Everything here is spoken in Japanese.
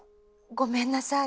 ごめんなさい。